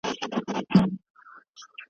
په ګډه سره څېړنه ترسره کول ډېر لوړ ارزښت لري.